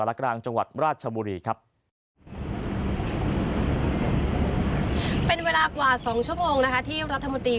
เป็นเวลากว่า๒ชั่วโมงนะฮะที่รัฐมนตรี